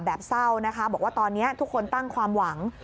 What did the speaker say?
เศร้านะคะบอกว่าตอนนี้ทุกคนตั้งความหวัง